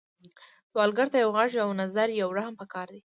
سوالګر ته یو غږ، یو نظر، یو رحم پکار دی